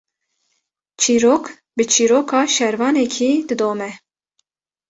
Çîrok, bi çîroka şervanekî didome